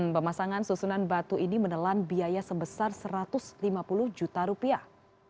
pemasangan susunan batu ini menelan biaya sebesar satu ratus lima puluh juta rupiah